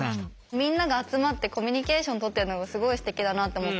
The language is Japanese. みんなが集まってコミュニケーション取ってるのがすごいすてきだなと思って。